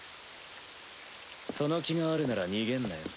その気があるなら逃げんなよ。